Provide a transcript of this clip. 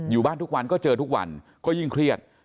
อยู่บ้านทุกวันก็เจอทุกวันก็ยิ่งเครียด